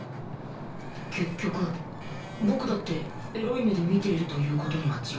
結局僕だってエロい目で見ているという事には違いない